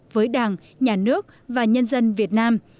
với đảng nhà nước và nhân dân việt nam